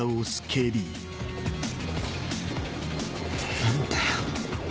何だよ。